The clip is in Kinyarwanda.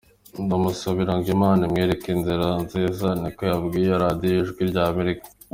"Ndamusabira ngo Imana imwereke inzira nziza", ni ko yabwiye iyo radiyo ijwi rya Amerika.